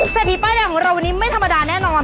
เศรษฐีป้ายแดงของเราวันนี้ไม่ธรรมดาแน่นอน